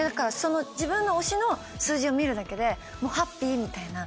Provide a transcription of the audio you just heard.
自分の推しの数字を見るだけでもうハッピーみたいな。